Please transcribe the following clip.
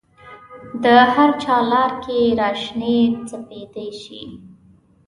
د هرچا لار کې را شنې سپیدې شي